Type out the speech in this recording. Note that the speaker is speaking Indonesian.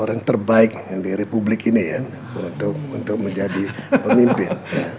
orang terbaik yang di republik ini ya untuk menjadi pemimpin